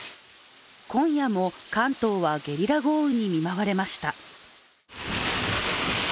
今夜も関東はゲリラ豪雨に見舞われました。